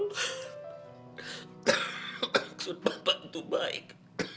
maksud bapak itu baik